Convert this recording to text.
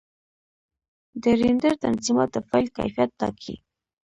د رېنډر تنظیمات د فایل کیفیت ټاکي.